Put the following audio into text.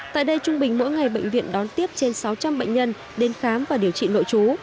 tại đây trung bình mỗi ngày bệnh viện đón tiếp trên sáu trăm linh bệnh nhân đến khám và điều trị nội chú